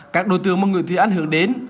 các đối tượng mà người thủ đoạn hưởng đến